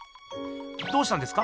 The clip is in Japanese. どうしたんですか？